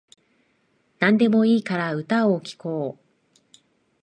なんでもいいから歌を聴こう